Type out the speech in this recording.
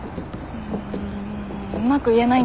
うん。